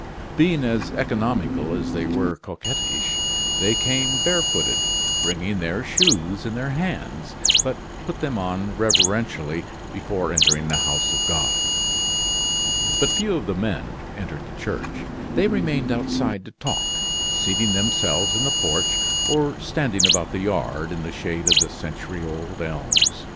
Being as economical as they were coquettish, they came barefooted, bringing their shoes in their hands, but put them on reverentially before entering the house of God. But few of the men entered the church. They remained outside to talk, seating themselves in the porch, or standing about the yard, in the shade of the century old elms.